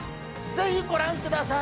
ぜひご覧ください